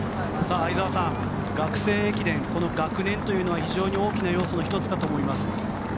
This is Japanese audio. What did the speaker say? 相澤さん、学生駅伝この学年というのは非常に大きな要素の１つだと思います。